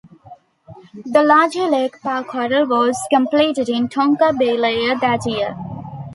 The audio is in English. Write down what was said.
The larger Lake Park Hotel was completed in Tonka Bay later that year.